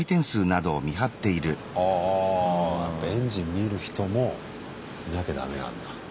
あぁやっぱエンジン見る人もいなきゃダメなんだ。